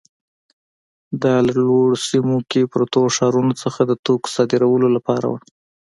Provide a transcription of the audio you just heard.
دا له لوړو سیمو کې پرتو ښارونو څخه د توکو صادرولو لپاره وه.